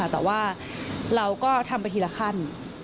แต่ว่าเราก็ทำไปทีละขั้น